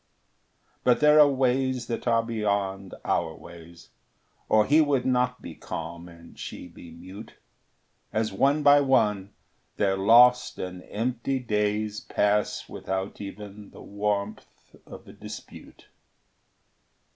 But there are ways that are beyond our ways, Or he would not be calm and she be mute, As one by one their lost and empty days Pass without even the warmth of a dispute.